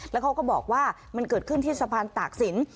แล้วเขาก็บอกว่ามันเกิดขึ้นที่สะพานตากศิลป